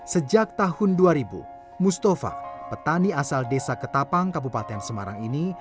sejak tahun dua ribu mustafa petani asal desa ketapang kabupaten semarang ini